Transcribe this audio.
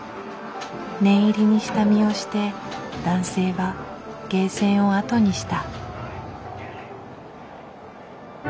念入りに下見をして男性はゲーセンを後にした。